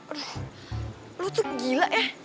aduh lu tuh gila ya